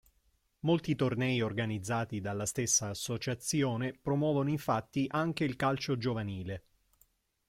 Molti tornei organizzati dalla stessa associazione, promuovono infatti anche il calcio giovanile.